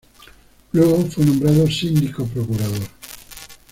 Luego fue nombrado síndico procurador.